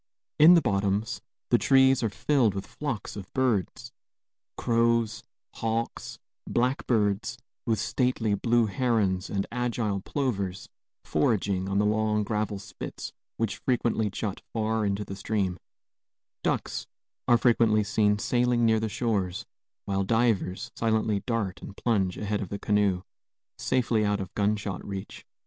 In the bottoms the trees are filled with flocks of birds, crows, hawks, blackbirds, with stately blue herons and agile plovers foraging on the long gravel spits which frequently jut far into the stream; ducks are frequently seen sailing near the shores; while divers silently dart and plunge ahead of the canoe, safely out of gunshot reach.